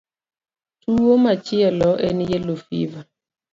Tuwo machielo en yellow fever.